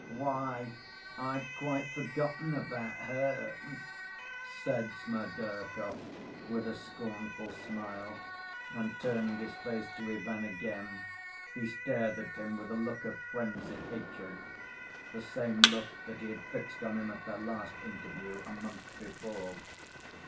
"Why, I'd quite forgotten about her," said Smerdyakov, with a scornful smile, and turning his face to Ivan again, he stared at him with a look of frenzied hatred, the same look that he had fixed on him at their last interview, a month before.